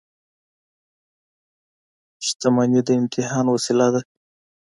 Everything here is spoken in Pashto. • شتمني د امتحان وسیله ده.